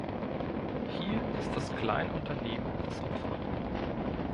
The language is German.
Hier ist das Kleinunternehmen das Opfer.